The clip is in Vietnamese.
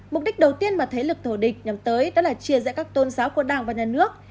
mục đích đầu tiên mà thế lực thù địch nhằm tới đó là chia rẽ các tôn giáo của đảng và nhà nước